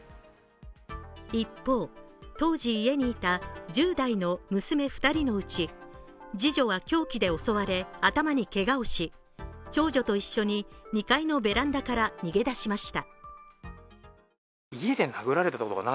一方、当時家に居た１０代の娘２人のうち次女は凶器で襲われ頭にけがをし長女と一緒に２階のベランダから逃げ出しました。